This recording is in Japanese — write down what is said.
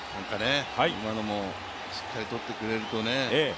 今のもしっかり取ってくれるとね。